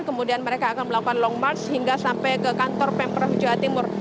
kemudian mereka akan melakukan long march hingga sampai ke kantor pemprov jawa timur